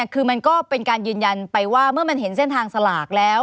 คือมันก็เป็นการยืนยันไปว่าเมื่อมันเห็นเส้นทางสลากแล้ว